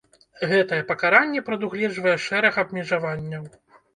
Гэтае пакаранне прадугледжвае шэраг абмежаванняў.